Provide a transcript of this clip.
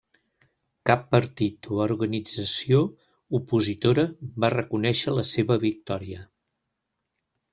Cap partit o organització opositora va reconèixer la seva victòria.